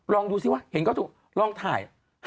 ลองดูซิว่าเห็นเขาถูกลองถ่าย